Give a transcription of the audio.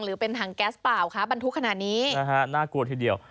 หรือเป็นถังแก๊สเปล่าคะบรรทุกขนาดนี้นะฮะน่ากลัวทีเดียว